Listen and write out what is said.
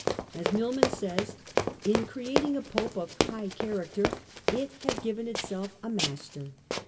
As Milman says : "In creating a Pope of high character it had given itself a master.